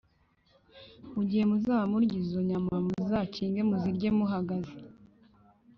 Mugihe muzaba murya izo nyama muzakinge muzirye muhagaze